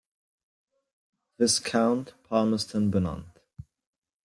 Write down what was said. Viscount Palmerston benannt.